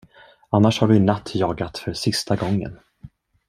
Annars har du i natt jagat för sista gången.